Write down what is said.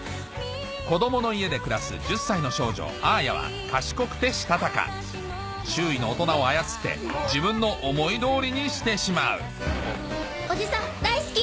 「子どもの家」で暮らす１０歳の少女アーヤは賢くてしたたか周囲の大人を操って自分の思い通りにしてしまうおじさん大好き！